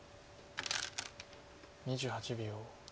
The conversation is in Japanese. ２８秒。